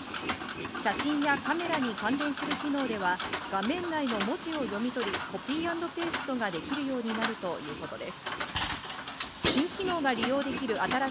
写真やカメラに関連する機能では、画面内の文字を読み取り、コピー＆ペーストがお天気です。